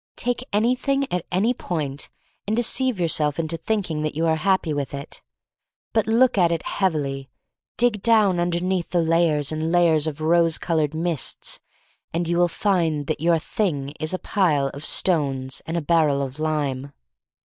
Take anything at any point and de ceive yourself into thinking that you are happy with it. But look at it heavily; dig down underneath the lay ers and layers of rose colored mists and you will find that your Thing is a Pile of Stones and a Barrel of Lime.